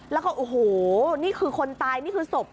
แล้วก็โอ้โหนี่คือคนตายนี่คือศพ